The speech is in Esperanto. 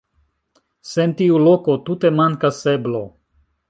Sen tiu loko tute mankas eblo.